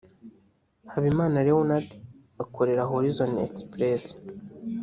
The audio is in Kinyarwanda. Habimana Leonard akorera Horizon Express